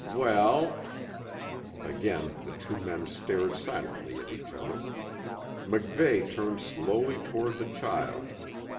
Well " Again the two men stared silently at each other. MacVeigh turned slowly toward the child.